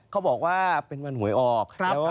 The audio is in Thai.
เขาบอกว่าเป็นวันหวยออก